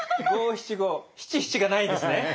五七五七七がないんですね。